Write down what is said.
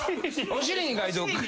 お尻に書いとく。